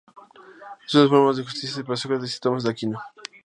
Es una de las formas de la justicia para Sócrates y Tomás de Aquino.